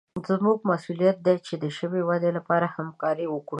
زموږ مسوولیت دی چې د ژبې ودې لپاره همکاري وکړو.